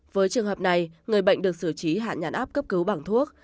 với trường hợp này người bệnh được sử trí hạ nhãn áp cấp cứu bằng thuốc